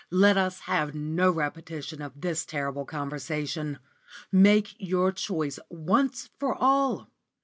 Let us have no repetition of this terrible conversation. Make your choice once for all.